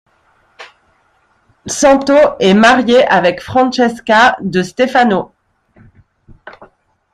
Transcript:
Santo est marié avec Francesca De Stefano.